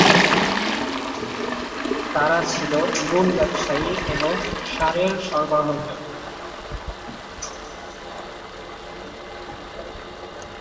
তারা ছিল নুন ব্যবসায়ী এবং ষাঁড়ের সরবরাহকারী।